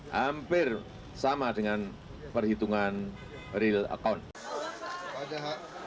hampir sama dengan perhitungan real account